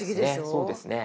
そうですね。